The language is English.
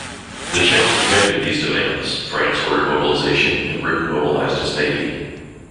The Czechs rejected these demands, France ordered mobilization and Britain mobilized its Navy.